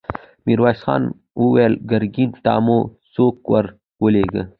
ميرويس خان وويل: ګرګين ته مو څوک ور ولېږه؟